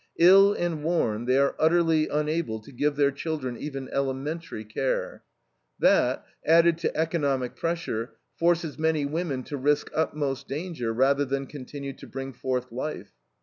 Ill and worn, they are utterly unable to give their children even elementary care. That, added to economic pressure, forces many women to risk utmost danger rather than continue to bring forth life.